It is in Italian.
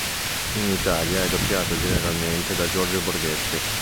In Italia è doppiato generalmente da Giorgio Borghetti.